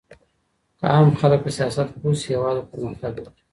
که عام خلګ په سياست پوه سي هيواد به پرمختګ وکړي.